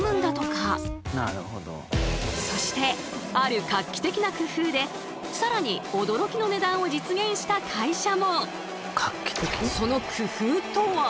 そしてある画期的な工夫で更に驚きの値段を実現した会社も。